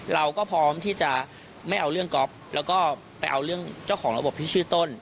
อยากได้เงินคืน